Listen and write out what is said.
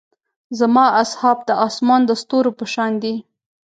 زما اصحاب د اسمان د ستورو پۀ شان دي.